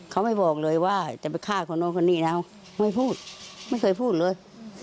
เขาไม่บอกเลยว่าจะไปฆ่าคนนู้นคนนี้นะไม่พูดไม่เคยพูดเลย